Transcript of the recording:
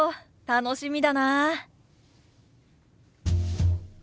楽しみだなあ。